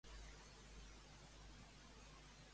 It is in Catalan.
Què afirma Diògenes Laerci d'ell?